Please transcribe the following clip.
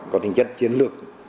có tính chất chiến lược